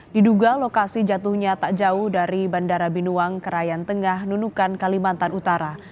diduga lokasi jatuhnya tak jauh dari bandara binuang kerayan tengah nunukan kalimantan utara